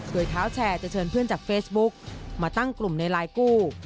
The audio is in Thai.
โดยเท้าแชร์จะเชิญเพื่อนจากเฟซบุ๊กมาตั้งกลุ่มในไลน์กู้